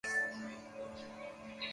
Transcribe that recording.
kuhusu baraza hilo na kulikubali mara moja